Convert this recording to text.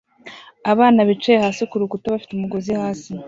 Abana bicaye hasi kurukuta bafite umugozi hasi